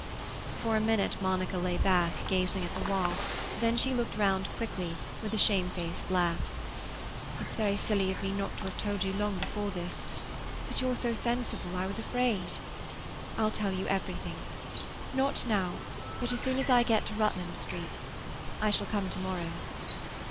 For a minute Monica lay back, gazing at the wall, then she looked round quickly, with a shamefaced laugh. "It's very silly of me not to have told you long before this. But you're so sensible; I was afraid. I'll tell you everything. Not now, but as soon as I get to Rutland Street. I shall come to morrow."